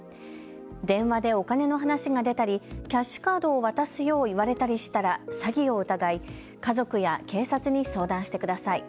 電話でお金の話が出たりキャッシュカードを渡すよう言われたりしたら詐欺を疑い家族や警察に相談してください。